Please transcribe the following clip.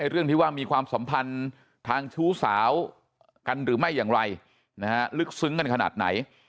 เรื่องที่ว่ามีความสัมพันธ์ทางชู้สาวกันหรือไม่อย่างไรลึกซึ้งกันขนาดไหน